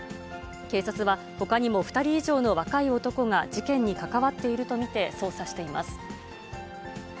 警察は、ほかにも２人以上の若い男が事件に関わっていると見て捜査しています。